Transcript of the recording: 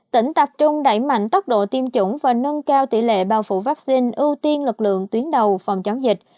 tỉnh tập trung đẩy mạnh tốc độ tiêm chủng và nâng cao tỷ lệ bao phủ vaccine ưu tiên lực lượng tuyến đầu phòng chống dịch